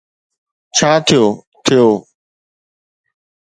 ڇا ٿيو، ٿيو.